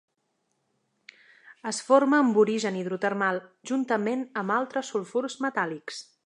Es forma amb origen hidrotermal juntament amb altres sulfurs metàl·lics.